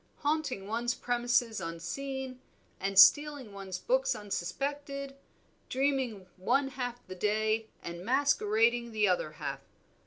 haunting one's premises unseen, and stealing one's books unsuspected; dreaming one half the day and masquerading the other half.